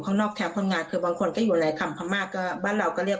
ข้างนอกแคมป์คนงานคือบางคนก็อยู่ในคำพม่าก็บ้านเราก็เรียก